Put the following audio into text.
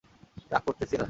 রাগ করতেসি না!